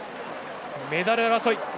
メダル争い。